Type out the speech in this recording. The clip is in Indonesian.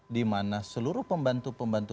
dimana seluruh pembantu pembantu